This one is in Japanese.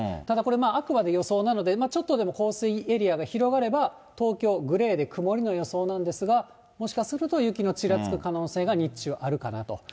ただこれあくまで予想なので、ちょっとでも降水エリアが広がれば、東京、グレーで曇りの予想なんですが、もしかすると雪のちらつく可能性が日中、あるかなと。